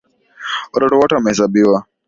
Watoto wote wamehesabiwa.